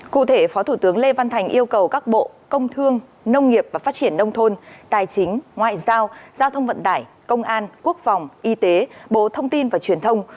cụ thể phó thủ tướng lê văn thành yêu cầu các bộ công thương nông nghiệp và phát triển nông thôn tài chính ngoại giao giao thông vận tải công an quốc phòng y tế bộ thông tin và truyền thông